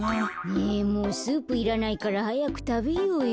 ねえもうスープいらないからはやくたべようよ。